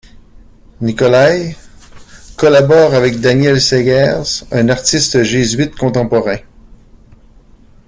Nicolaï collabore avec Daniel Seghers, un artiste jésuite contemporain.